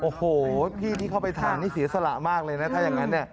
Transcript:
โอ้โหพี่ที่เข้าไปถามนี่เสียสละมากเลยนะถ้าอย่างนั้นเนี่ย